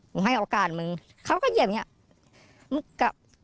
ให้โอกาสมึงเขาก็เหยียบอย่างนี้